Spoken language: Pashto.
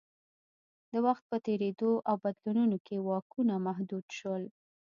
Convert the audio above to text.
د وخت په تېرېدو او بدلونونو کې واکونه محدود شول